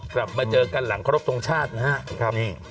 กลับมาเจอกันหลังครบทรงชาตินะครับ